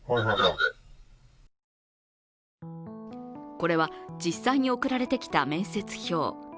これは実際に送られてきた面接票。